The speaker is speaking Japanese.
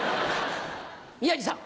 宮治さん。